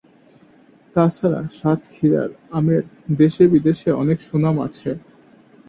তাছাড়া সাতক্ষীরার আমের দেশে-বিদেশে অনেক সুনাম আছে।